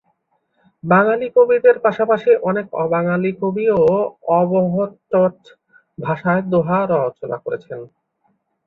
বাঙালি কবিদের পাশাপাশি অনেক অবাঙালি কবিও অবহট্ঠ ভাষায় দোহা রচনা করেছেন।